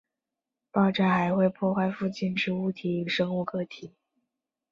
爆炸还会破坏附近之物体与生物个体。